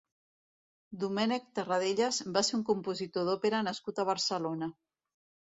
Domènec Terradellas va ser un compositor d'òpera nascut a Barcelona.